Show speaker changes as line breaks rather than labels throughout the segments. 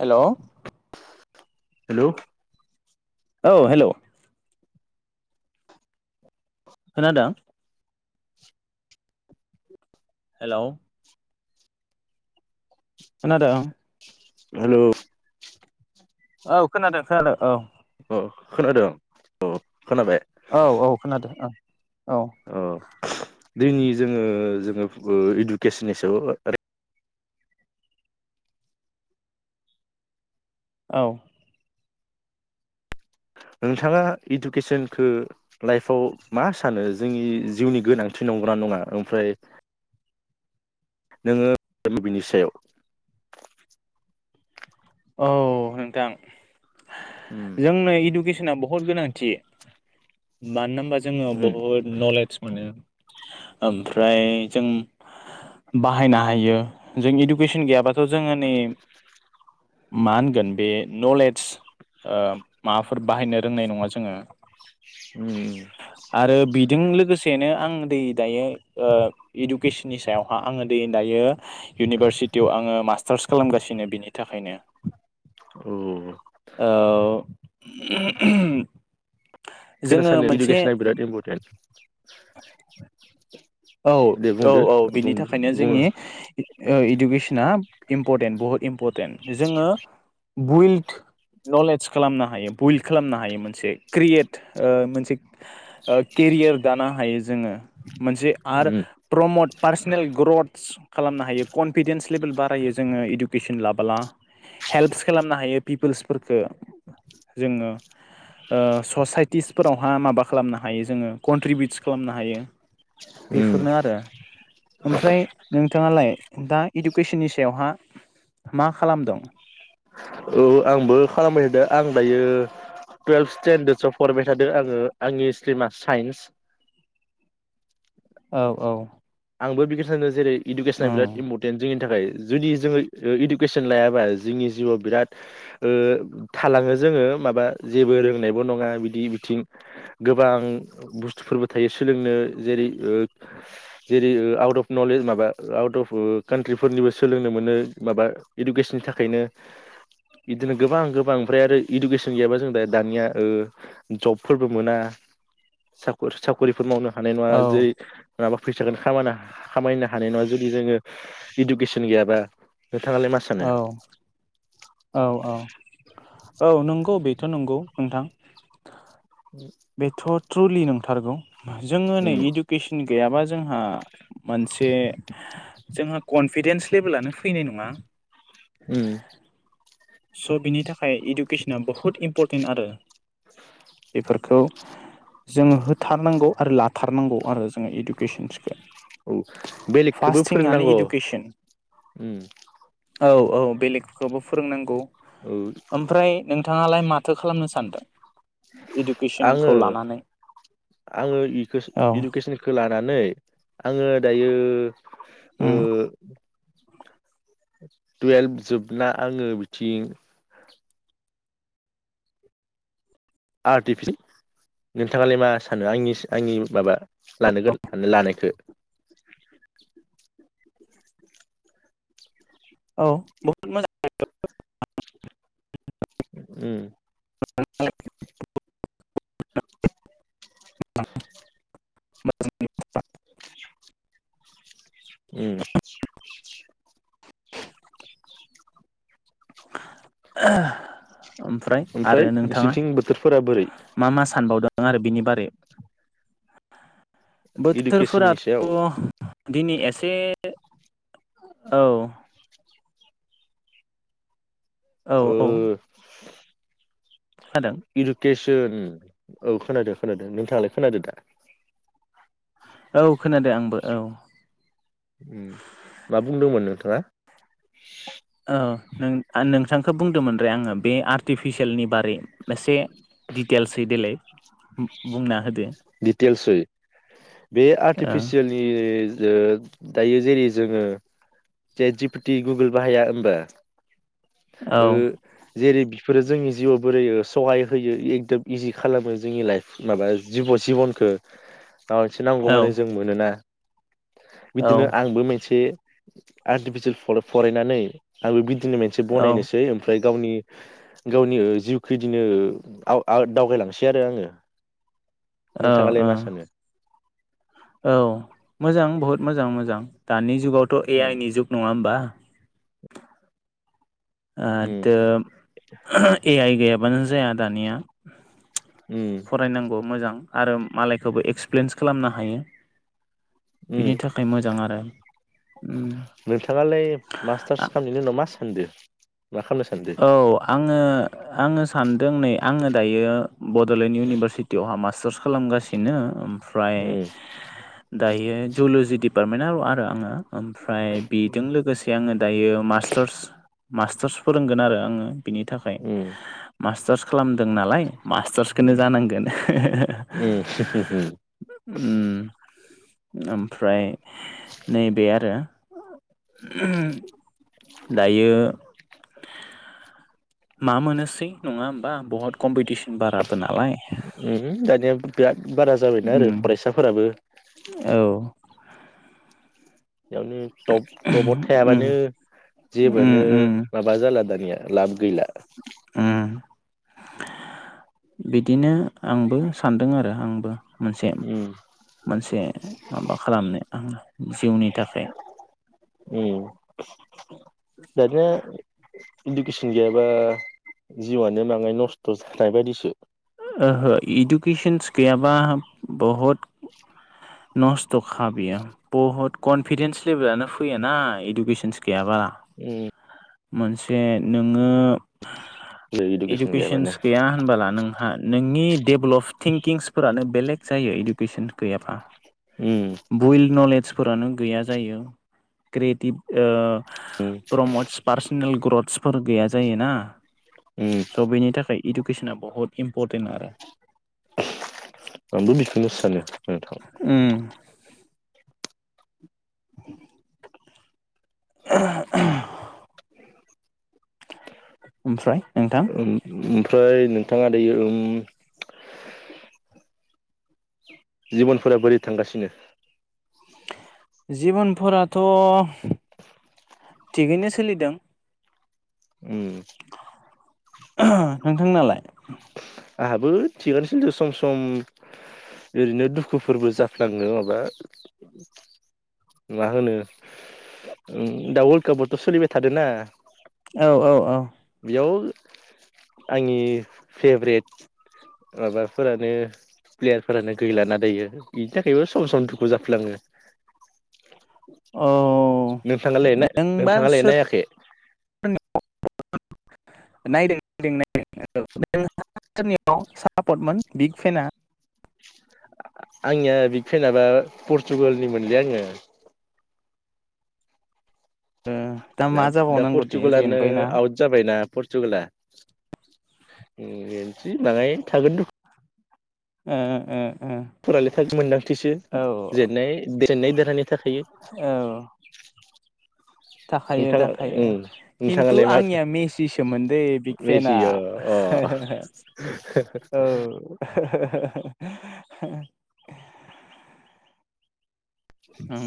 Hello
hello
औ hello खोनादों? Hello खोनादों?
हेल'
औ खोनादों खोनादों औ।
औ खोनादों औ खोनाबाय
औ औ खोनादों औ औ
अ दिनि जोङो जोङो इडुकेसननि सायाव
औ
नोंथाङा इडुकेसनखौ लाइफआव मा सानो जोंनि जिउनि गोनांथि नंगौना नङा ओमफ्राय नोङो बेैनि सायाव
औ नोंथां
उम
जोंनो इडुकेसना बहुद गोनांथि मानो होनबा जोङो
उम
बहुद नलेज मोनो ओमफ्राय जों बाहायनो हायो जों इडुकेसन गैयाबा थ' जोङो नै मा होनगोन बे नलेज माबाफोर बाहायनो रोंनाय नङा जोङो
[inaudible]
आरो बिजों लोगोसेनो आं दै दायो ओ इडुकेसननि सायावहा आङो दै दायो इउनिभारसिटियाव आङो मास्टार्स खालामगासिनो बिनि थाखायनो
औ
औ
खोनासानो इडुकेसना बिराद इम्परटेन्ट
औ
दे
औ
बुंदो
औ
बुं
बिनि थाखायनो
बुं
जोंनि इडुकेसना इम्परटेन्ट बहुद इम्परटेन्ट जोङो वइल्ड नलेज खालामनो हायो बइल्ड खालामनो हायो मोनसे क्रियेट मोनसे केरियार दानो हायो जोङो मोनसे आरो
उम
प्रमट पार्सनेल ग्रथ्स खालामनो हायो कनफिदेन्स लेभेल बारायो जोङो इडुकेसन लाबोला हेल्प्स खालामनो हायो पिपोल्सफोरफोरखौ जोङो ससाइटिसफोरावहा माबा खालामनो हायो जोङो कन्ट्रिबिउटस खालामनो हायो।
उम
बेफोरनो आरो। ओमफ्राय नोंथाङालाय दा इडुकेसननि सायावहा मा खालामदों?
औ आंबो खालामबाय थादो आं दायो टुवेल्भ स्टेेनडार्दसआव फरायबाय थादों आङो आंनि स्ट्रिमा साइन्स
औ औ
आंबो बेखिनो सानो जेरै इडुकेसना बिराद
ओम
इम्पर्टन जोंनि थाखाय जुदि जोङो इडुकेसन लायाबा जोंनि जिउआव बिराद थालाङो जोङो माबा जेबो रोंनायबो नङा बिदि बिथिं गोबां बुस्थुफोरबो थायो सोलोंनो जेरै जेरै आउट अफ नलेज माबा आउट अफ कान्ट्रिफोरनिबो सोलोंनो मोनो माबा इडुकेसननि थाखायनो इदिनो गोबां गोबां ओमफ्राय आरो इडुकेसन गैयाबा जों दा दानिया ओ जबफोरबो मोना साखर साखरिफोर मावनो हानाय नङा
औ
जै नङाबा फैसाखौनो खामायनो खामायनो हानाय नङा जुदि जोङो इडुकेसन गैयाबा नोंथाङालाय मा
औ
सानो
औ औ औ नंगौ बेथ' नंगौ नोंथां।
[unintelligible]
बेथ' ट्रुलि नोंथारगौ जोङो
उम
नै इडुकेसन गैयाबा जोंहा मोनसे जोंहा कनफिदेन्स लेभेलानो फैनाय नङा
उम
स' बिनि थाखाय इडुकेसना बुहुद इम्परटेन्ट आरो बेफोर खौ जोङो होथारनांगौ आरो लाथारनांगौ आरो जोङो इडुकेसनसखौ
औ बेलेगखौबो फोरोंनांगौ
इडुकेसन
उम
औ औ बेलेगखौबो फोरोंनांगौ
औ
ओमफ्राय नोंथाङालाय माथो खालामनो सानदो
आङो आङो इखोसो
औ
इडुकेसनखो खो लानानै आङो दायो ओ
उम
टुवेल्भ जोबना आङो बिथिं आर्टिफि नोंथाङालाय मा सानो आंनि आंनि माबा लानो गो लानायखौ
औ बहुत मोजां
उम [inaudible] [inaudible] उम
ओमफ्राय आरो नोंथाङा
नोंसोरनिथिं बोथोरफोरा बोरै
मा मा सानबावदों आरो बिनि बारै
इडुकेसननि
बोथोरफोराथ'
सायाव
दिनै एसे औ औ औ
[unintelligible]
खोनादों
इडुकेसन औ खोनादो खोनादो नोंथाङालाय खोनादो दा
औ खोनादो आंबो औ
उम मा बुंदोंमोन नोंथाङा
ओ नों आ नोंथांखौ बुंदोंमोन रे आङो बे आर्टिफिसियेलनि बारै मोनसे दिटेल्सै देलाय बुंना होद
दिटेल्सहै बे
औ
आर्टिफिसियेल दायो जेरै जोङो चेट जि पि टि गुगोल बाहाया होमबा
औ
जेरै बिफोरो जोंनि जिउआव बोरै सहाय होयो एकदम इजि खालामो जोंनि लाइफ माबा जिब' जिबनखो माबा मोनसे
औ
नांगौबानो जों मोनोना बिदिनो
औ
आंबो मोनसे आर्टिफिसियेल फरायनानै आंबो बिदिनो मोनसे से
औ
बनायनोसै ओमफ्राय गावनि गावनि जिउखौ इदिनो आव‌ आव दावगायलांसै आरो आङो नोंथाङालाय
औ
मा सानो
औ मोजां बहुद मोजां मोजां दानि जुगावथ' ए
उम
आइ नि जुग नङा होमबा ओ
उम
द ए आइ गैयाबानो जाया दानिया
उम
फरायनांगौ मोजां आरो मालायखौबो एक्सपिरिेन्स खालामनो हायो
उम
बेनि थाखाय थाखाय मोजां आरो ओम
नोंथाङालाय मास्टार्स खालामनायनि उनाव मा सानदों मा खालामनो सानदों
औ आङो आङो सानदों नै आङो दायो बड'लेण्ड इउनिभारसिटियावहा मास्टार्स खालामगासिनो ओमफ्राय
उम
दायो जल'जि डपार्टमेन्टआ आरो आङो ओमफ्राय बेजों लोगोसे आङो दायो मास्टारस मास्टारस फोरोंगोन आरो आङो बिनि थाखाय
उम
मास्टार्स खालामदों नालाय मास्टार्सखौनो जानांगोन
उम उम
ओम ओमफ्राय नैबे आरो दायो मा मोनोसै नङा होमबा बहुत कम्पिटिसन बाराबो नालाय
दानिया बिराद बारा जाबायना
उम
आरो फरायसाफोराबो
औ
बेयावनो बद
उम
थायाबानो
उम
जेबोनो
उम
माबा जाला दानिया लाब गैला
उम बिदिनो आंबो सानदों आरो आंबो मोनसे
उम
मोनसे माबा खालामनो आं जिउनि थाखाय
उ ददि इडुकेसन गैयाबा जिउआनो बाङाय नस्थ' जानाय बायदिसो
ओहो इडुकेसनस गैयाबा बहुद नस्थ' खाबैयो बहुत कनफिदेन्स लेभेलानो फैयाना इडुकेसनस गैयाबा
उम
मोनसे नोङो
इडुकेसन गैयाबानो
इडुकेसन्स गैया होनबोला नों नोंनि डेभलप
उम
बइल्ड नलेजफोरानो गैया जायो क्रियेटिभ
उम
प्रमदस पार्सनेल ग्रथसफोर गैया जायोना
उम
स' इडुकेसनाआ बहुत इमपर्टेनआ
आंबो बेखौनो सानो नोंथां
ओम [unintelligible] ओमफ्राय नोंथां
ओम ओमफ्राय नोंथाङा दायो जिबनफोरा बोरै थांगासिनो
जिबनफोराथ' - थिगैनो सोलिदों
उम
नोंथां नालाय
आंहाबो थिगानोसैदो सम सम ओरैनो दुखुफोरबो जाफ्लाङो माबा मा होनो दा वर्ल्ड कापआवथ' सोलिबाय थादों ना
औ औ औ
बेयाव आंनि फेभरेट माबाफोरानो प्लेयारफोरानो गै लाना दायो बिनि थाखायबो सम सम दुखु जाफुलाङो
औ
नोंथाङा ल
नोंबा
नोंथाङा लाय
सोर
नायाखै
नायदों दों नायदों औ नोंनियाव सापर्टमोन बिग फनाआ
आंनिया बिक फेनाबा पर्तुगालनिमोनलै आङो
ओ
दा परटूगालाआनो आवट जाबायना परतुगालास बाङाय थागोन र'
ओ ओ ओ
[unintelligible] थाखाय मोनदांथिसो जेननाय जेननाय देरहानाय थाखायो
[inaudible] थाखायो
नोंथाङा
थाखायो
उम
खिन्थु
नोंथाङालाय मा
आंनिया मेसिसोमोन दे औ
[unintelligible]
[unintelligible]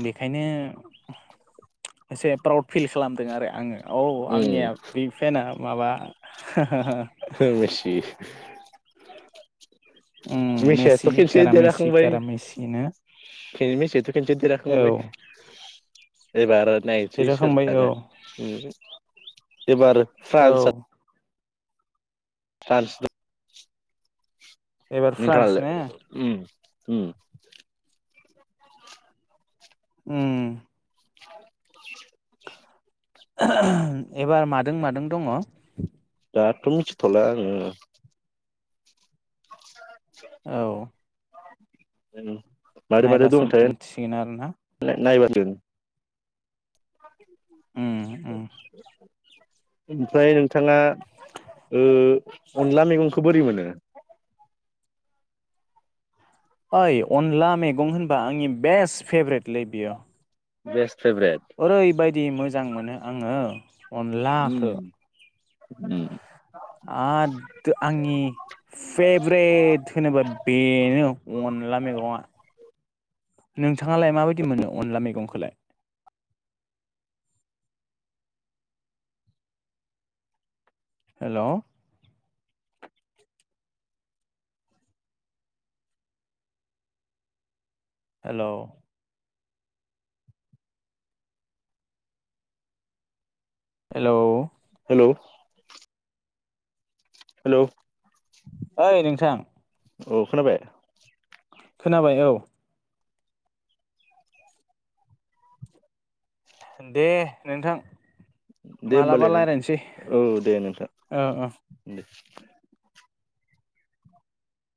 बेखायनो एसे प्राउद फिल खालामदों आरो आङो औ
उम
आंनिया बिग फेनआ माबा
मेसि
ओम
मेसियाथ'
मेसि कारामेसि कारामेसिनो
केरिमेसियाथ' खनसे देरहाखांबाय एबार नायसै सोर
देरहाखांबाय औ
थाङो एबार
औ
फ्रान्स फ्रान्स दं
एबार फ्रान्स
नोंथांआलाय
ने
उम उम
उम
[unintelligible]
एबार मादों मादों दङ?
दाथ' मिथिथ'ला आङो [unintelligible]
औ
मारै मारै
नायबासो
दंयोथाय
मिथिसिगोन आरोना
नायबासो
उम उम
ओमफ्राय नोंथाङा अनला ओ मैगंखौ बोरै मोनो?
ओइ अनला मैगं होनबा आंनि बेस्ट फेभरेटलै बेयो।
बेस फेबरेट
ओरैबायदि मोजां मोनो आङो।
उम
अनलाखो
उम
आड आंनि फेभ्रेट होनोबा बेनो अनला मैगङा।
[inaudible]
नोंथाङालाय माबायदि मोनो अनला मैगंखौलाय? हेल' हेल' हेलौ
हेल' हेलौ
ओइ नोंथां
औ खोनाबाय
खोनाबाय औ दे नोंथां।
दे
मालाबा
होमबालाय नों
रायज्लायनोसै
औ दे नोंथां
ओ ओ
दे।